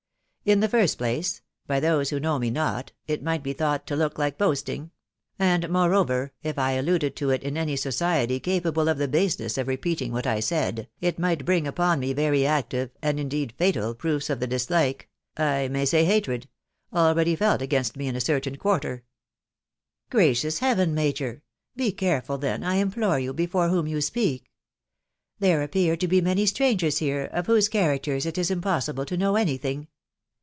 In the first place, by those who know me not, it might be thought to look like boasting ; and, moreover, if I alluded to it in any society capable of the baseness of repeating what 1 Said, it might bring upon me very active, and indeed fatal, proofs of the dislike — I may say hatred — already felt against me in a certain quarter." TH|B WIDOW BABNABY. 201 " Gracious Heaven, Major !.... be careful then, I implore you, before whom you speak! There appear to be many strangers here, of whose characters it is impossible to know any thing